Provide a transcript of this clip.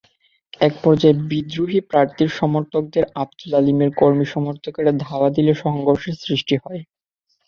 একপর্যায়ে বিদ্রোহী প্রার্থীর সমর্থকদের আবদুল আলীমের কর্মী-সমর্থকেরা ধাওয়া দিলে সংঘর্ষের সৃষ্টি হয়।